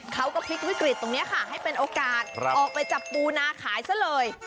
เขาก็พลิกวิกฤตตรงนี้ค่ะให้เป็นโอกาสออกไปจับปูนาขายซะเลย